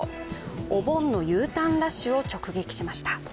お盆のＵターンラッシュを直撃しました。